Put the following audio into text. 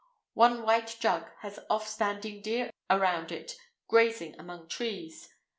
One white jug has off standing deer around it, grazing among trees.